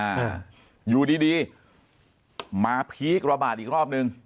อ่าอยู่ดีมาพลิกระบาดอีกรอบนึง